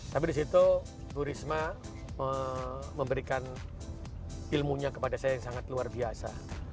tapi di situ bu risma memberikan ilmunya kepada saya yang sangat luar biasa